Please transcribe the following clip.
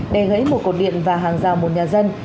đè gãy một cột điện và hàng rào một nhà dân